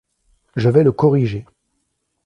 Je vais le corriger !…